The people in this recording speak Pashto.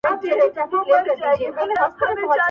اوښ د باره ولوېدی، د بړ بړه و نه لوېدی.